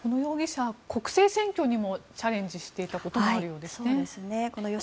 この容疑者国政選挙にチャレンジしていたこともあるようですね。